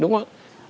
đúng không ạ